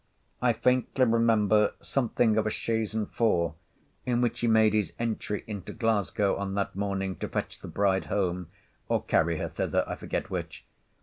I faintly remember something of a chaise and four, in which he made his entry into Glasgow on that morning to fetch the bride home, or carry her thither, I forget which.